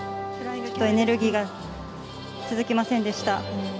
ちょっとエネルギーが続きませんでした。